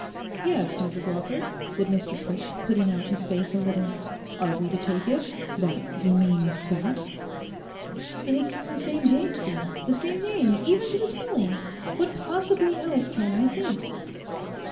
'Yes, Mrs Lawford,' said Mr Craik, putting out his face a little, 'are we to take it that you mean that?' 'It's the same date, dear, the same name even to the spelling; what possibly else can I think?